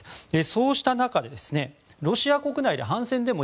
そうした中ロシア国内で反戦デモ